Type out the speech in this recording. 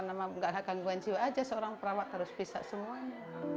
nggak ada gangguan jiwa aja seorang perawat harus bisa semuanya